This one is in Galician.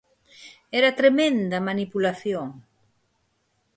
¡Era tremenda a manipulación!